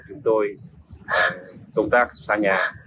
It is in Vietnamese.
chúng tôi công tác xa nhà